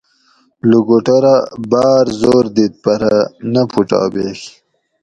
لوکوٹورہ باۤر زور دِت پرہ نہ پھوٹابیگ